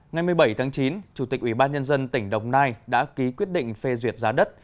ngày một mươi bảy tháng chín chủ tịch ủy ban nhân dân tỉnh đồng nai đã ký quyết định phê duyệt giá đất